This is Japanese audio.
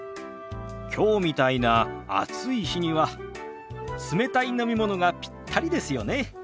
きょうみたいな暑い日には冷たい飲み物がピッタリですよね。